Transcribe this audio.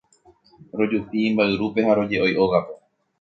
rojupi mba'yrúpe ha roje'ói ógape.